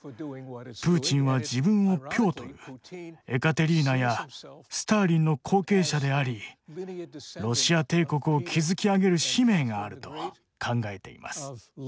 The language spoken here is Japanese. プーチンは自分をピョートルエカテリーナやスターリンの後継者でありロシア帝国を築き上げる使命があると考えています。